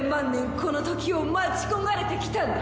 このときを待ち焦がれてきたんだ！